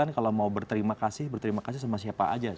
kalau mau berterima kasih berterima kasih sama siapa aja